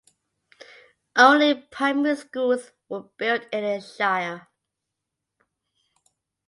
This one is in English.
Only primary schools were built in the Shire.